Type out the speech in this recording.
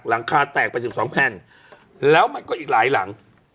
หลังคาแตกไป๑๒แผ่นแล้วมันก็อีกหลายหลัง